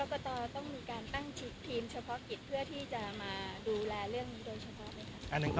กตต้องมีการตั้งทีมเฉพาะกิจเพื่อที่จะมาดูแลเรื่องนี้โดยเฉพาะไหมคะ